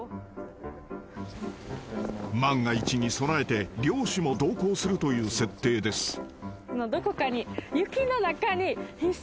［万が一に備えて猟師も同行するという設定です］